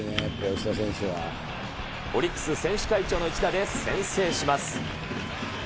オリックス選手会長の一打で先制します。